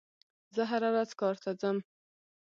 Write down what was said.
زه هره ورځ کار ته ځم.